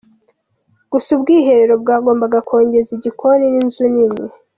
Gusa ubwiherero bwagombaga gukongeza igikoni n’inzu nini.